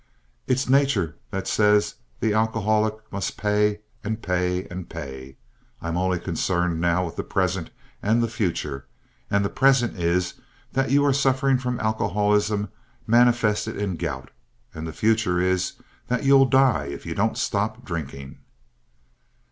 It's nature that says the alcoholic must pay and pay and pay. I'm only concerned now with the present and the future, and the present is that you're suffering from alcoholism manifested in gout, and the future is that you'll die if you don't stop drinking.